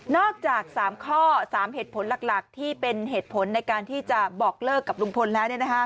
จาก๓ข้อ๓เหตุผลหลักที่เป็นเหตุผลในการที่จะบอกเลิกกับลุงพลแล้ว